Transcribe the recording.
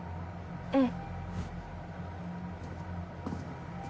うん。